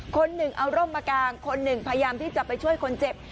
คนหนึ่งเอาร่มมากางคนหนึ่งพยายามที่จะไปช่วยคนเจ็บ